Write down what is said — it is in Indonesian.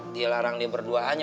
dilarang dia berduanya